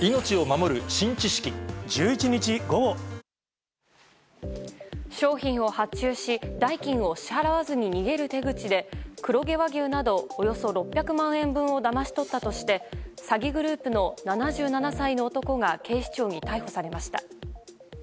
最終的にいい形になるように商品を発注し代金を支払わずに逃げる手口で黒毛和牛などおよそ６００万円分をだまし取ったとして詐欺グループの７７歳の男が警視庁に逮捕されました。